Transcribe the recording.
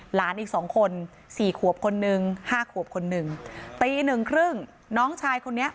หลานอีก๒คน๔ขวบคนนึง๕ขวบคนนึงตี๑ครึ่งน้องชายคนนี้